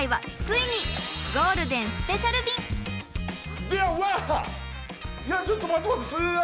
いやちょっと待ってうわ！